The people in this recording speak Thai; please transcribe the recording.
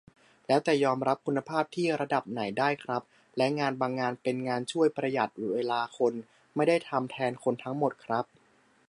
แล้วแต่ยอมรับคุณภาพที่ระดับไหนได้ครับ และงานบางงานเป็นงานช่วยประหยัดเวลาคน ไม่ได้ทำแทนคนทั้งหมดครับ